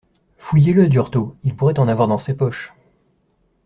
Fouillez-le, Durtot: il pourrait en avoir dans ses poches.